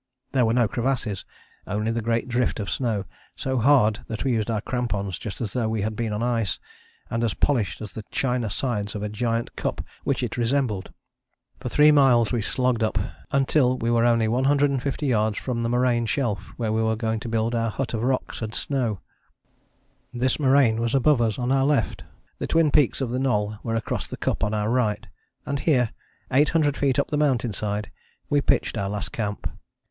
There were no crevasses, only the great drift of snow, so hard that we used our crampons just as though we had been on ice, and as polished as the china sides of a giant cup which it resembled. For three miles we slogged up, until we were only 150 yards from the moraine shelf where we were going to build our hut of rocks and snow. This moraine was above us on our left, the twin peaks of the Knoll were across the cup on our right; and here, 800 feet up the mountain side, we pitched our last camp.